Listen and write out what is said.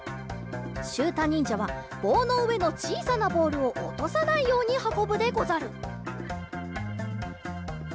しゅうたにんじゃはぼうのうえのちいさなボールをおとさないようにはこぶでござる。